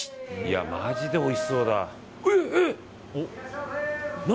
マジでおいしそうだな。